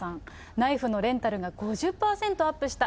ナイフのレンタルが５０％アップした。